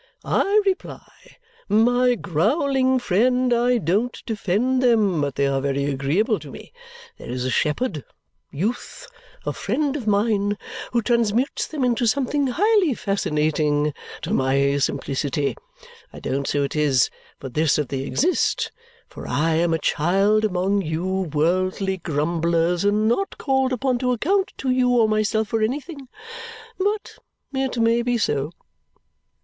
I reply, 'My growling friend, I DON'T defend them, but they are very agreeable to me. There is a shepherd youth, a friend of mine, who transmutes them into something highly fascinating to my simplicity. I don't say it is for this that they exist for I am a child among you worldly grumblers, and not called upon to account to you or myself for anything but it may be so.'"